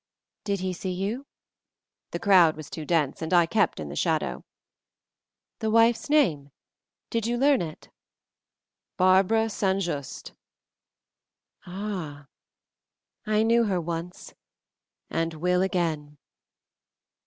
"Did he see you?" "The crowd was too dense, and I kept in the shadow." "The wife's name? Did you learn it?" "Barbara St. Just." "Ah! I knew her once and will again.